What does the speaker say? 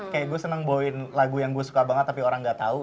kayak gue seneng bawain lagu yang gue suka banget tapi orang gak tau